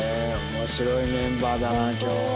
面白いメンバーだな今日。